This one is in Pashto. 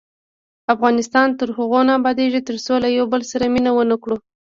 افغانستان تر هغو نه ابادیږي، ترڅو له یو بل سره مینه ونه کړو.